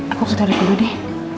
aku ke taruh dulu deh